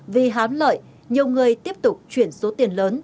vì hám lợi nhiều người tiếp tục chuyển số tiền lớn